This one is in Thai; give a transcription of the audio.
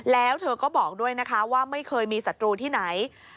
แล้วเธอก็บอกด้วยนะคะว่าไม่เคยมีศัตรูที่ไหน